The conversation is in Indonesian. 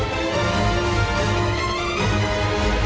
di depan ada muslimah